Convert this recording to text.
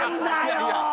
いやいや。